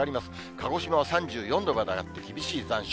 鹿児島は３４度まで上がって、厳しい残暑。